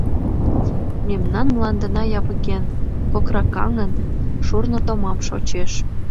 Мемнан мландына явыген, кокракаҥын, шурно томам шочеш.